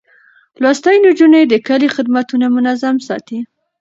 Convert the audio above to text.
لوستې نجونې د کلي خدمتونه منظم ساتي.